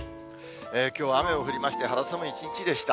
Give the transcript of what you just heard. きょうは雨も降りまして、肌寒い一日でした。